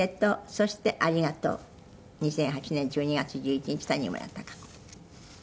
そして、ありがとう」「２００８年１２月１１日谷村孝子」